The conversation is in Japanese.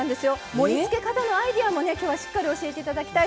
盛りつけ方のアイデアも今日はしっかり教えて頂きたいと思いますので。